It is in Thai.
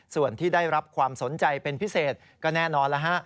ส่วนที่ได้รับความสนใจเป็นพิเศษก็แน่นอนแล้วฮะ